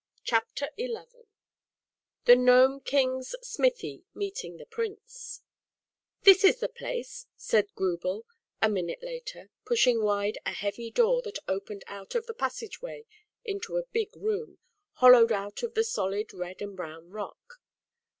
Chapter XI The Gnome King's Smithy Meeting the Prince V #/' i njfQ Is the iT^^r Grubel, a minute | later, pushing wide a heavy I door that opened out of the passage way into a big room, ^r hollowed out of the solid red and brown rock.